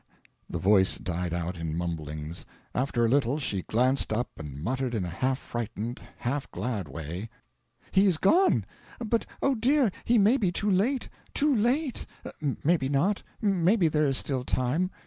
The voice died out in mumblings. After a little she glanced up and muttered in a half frightened, half glad way "He is gone! But, oh dear, he may be too late too late... Maybe not maybe there is still time."